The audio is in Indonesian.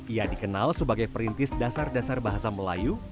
ia dikenal sebagai perintis dasar dasar bahasa melayu